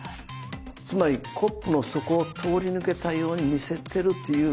つまりコップの底を通り抜けたように見せてるという。